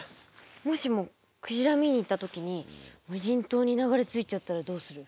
もしもクジラ見に行った時に無人島に流れ着いちゃったらどうする？